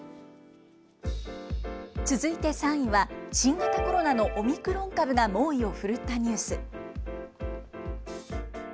続いて３位は、新型コロナのオミクロン株が猛威を振るったニュース。